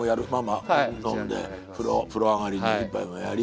飲んで風呂上がりに一杯もやり。